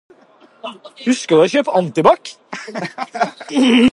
Husket du og kjøpe antibac?